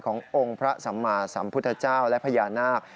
ขององค์พระสัมมาสัมพุทธเจ้าและพญานาค